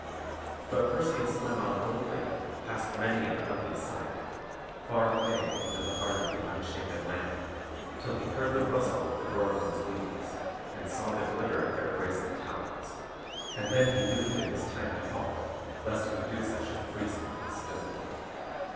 But Perseus went on boldly, past many an ugly sight, far away into the heart of the Unshapen Land, till he heard the rustle of the Gorgons' wings and saw the glitter of their brazen talons; and then he knew that it was time to halt, lest Medusa should freeze him into stone.